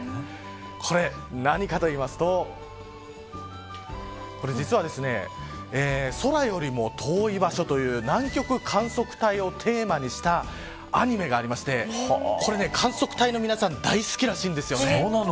これ、何かというと実は、宇宙よりも遠い場所という南極観測隊をテーマにしたアニメがあって観測隊の皆さん大好きらしいんですよね。